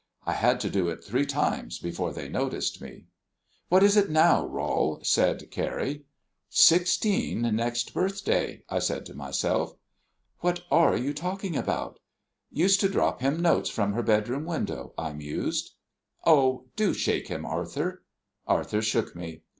I had to do it three times before they noticed me. "What is it now, Rol?" said Carrie. "Sixteen next birthday," I said to myself. "What are you talking about?" "Used to drop him notes from her bedroom window," I mused. "Oh, do shake him, Arthur." Arthur shook me.